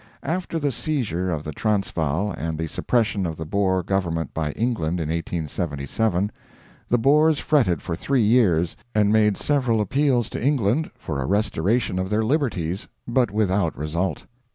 After the seizure of the Transvaal and the suppression of the Boer government by England in 1877, the Boers fretted for three years, and made several appeals to England for a restoration of their liberties, but without result.